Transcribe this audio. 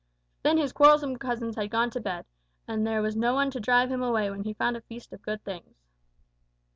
Then his quarrelsome cousins had gone to bed, and there was no one to drive him away when he found a feast of good things.